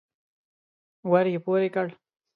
ور يې پورې کړ.